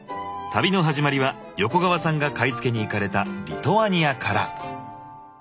旅の始まりは横川さんが買い付けに行かれたリトアニアから！